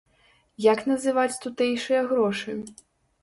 Як называць тутэйшыя грошы?